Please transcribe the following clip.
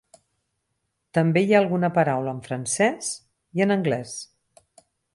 També hi ha alguna paraula en francès i en anglès.